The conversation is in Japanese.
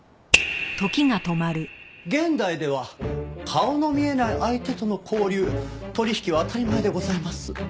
現代では顔の見えない相手との交流・取引は当たり前でございます。